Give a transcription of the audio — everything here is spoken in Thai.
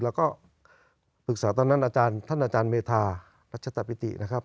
แล้วก็ปรึกษาตอนนั้นอาจารย์ท่านอาจารย์เมธารัชตะปิตินะครับ